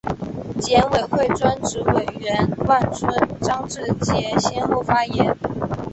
检委会专职委员万春、张志杰先后发言